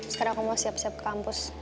sekarang aku mau siap siap ke kampus